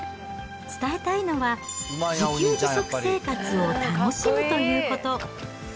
伝えたいのは自給自足生活を楽しむということ。